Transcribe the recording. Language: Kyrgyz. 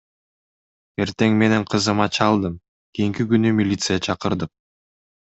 Эртең менен кызыма чалдым, кийинки күнү милиция чакырдык.